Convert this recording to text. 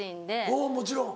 おぉもちろん。